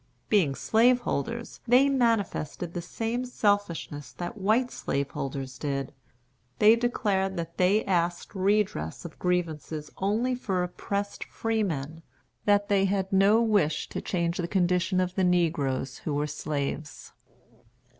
Being slaveholders, they manifested the same selfishness that white slaveholders did. They declared that they asked redress of grievances only for oppressed freemen; that they had no wish to change the condition of the negroes, who were slaves.